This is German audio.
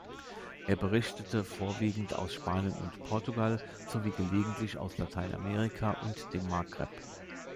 Er berichtete vorwiegend aus Spanien und Portugal sowie gelegentlich aus Lateinamerika und dem Maghreb.